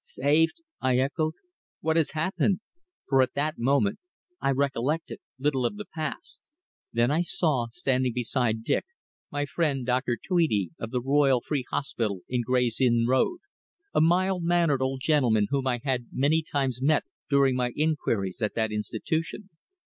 "Saved!" I echoed. "What has happened?" for at that moment I recollected little of the past. Then I saw, standing beside Dick, my friend, Dr. Tweedie, of the Royal Free Hospital in Gray's Inn Road, a mild mannered old gentleman whom I had many times met during my inquiries at that institution.